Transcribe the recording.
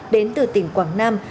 đến từ tỉnh quảng nam